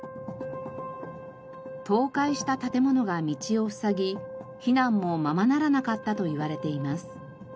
倒壊した建物が道を塞ぎ避難もままならなかったといわれています。